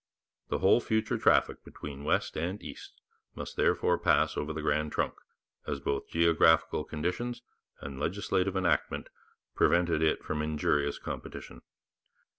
The whole future traffic between west and east must therefore pass over the Grand Trunk, as both geographical conditions and legislative enactment prevented it from injurious competition.